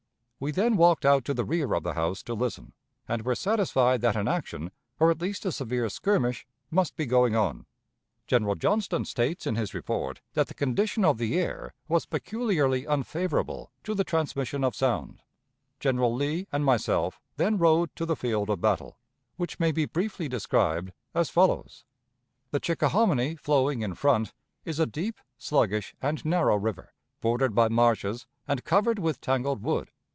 We then walked out to the rear of the house to listen, and were satisfied that an action, or at least a severe skirmish, must be going on. General Johnston states in his report that the condition of the air was peculiarly unfavorable to the transmission of sound. General Lee and myself then rode to the field of battle, which may be briefly described as follows: The Chickahominy flowing in front is a deep, sluggish, and narrow river, bordered by marshes, and covered with tangled wood.